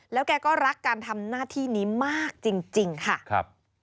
แล้วแกก็รักการทำหน้าที่นี้มากจริงค่ะครับ